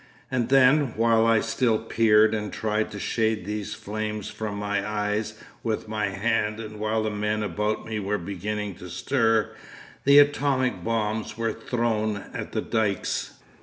'And then, while I still peered and tried to shade these flames from my eyes with my hand, and while the men about me were beginning to stir, the atomic bombs were thrown at the dykes.